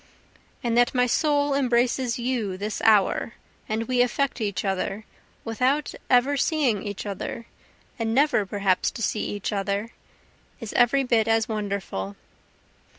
And that my soul embraces you this hour, and we affect each other without ever seeing each other, and never perhaps to see each other, is every bit as wonderful.